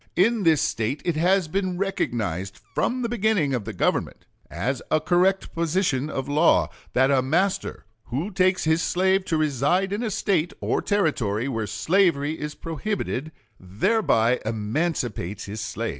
In this State it has been recognized from the beginning of the government, as a correct position in law, that a master who takes his slave to reside in a State or Territory where slavery is prohibited thereby emancipates his slave.